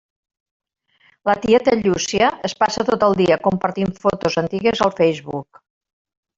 La tieta Llúcia es passa tot el dia compartint fotos antigues al Facebook.